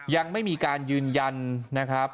ยังไม่มีการยืนยันนะครับ